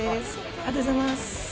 ありがとうございます。